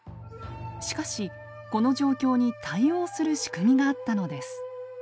しかしこの状況に対応する仕組みがあったのです。